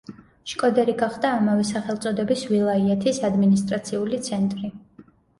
შკოდერი გახდა ამავე სახელწოდების ვილაიეთის ადმინისტრაციული ცენტრი.